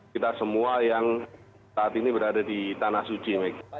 kita semua yang saat ini berada di tanah suci